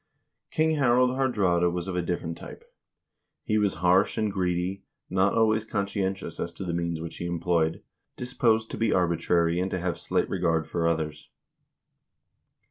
King Harald Haardraade was of a different type. He was harsh and greedy, not always conscientious as to the means which he employed, disposed to be arbitrary* and to have slight regard for others.